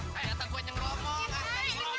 ternyata gue nyengromong